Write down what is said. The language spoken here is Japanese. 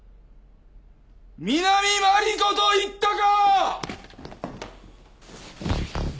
南真理子と言ったか！？